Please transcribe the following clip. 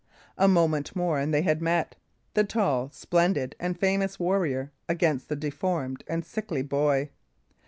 A moment more and they had met; the tall, splendid, and famous warrior against the deformed and sickly boy.